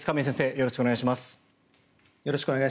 よろしくお願いします。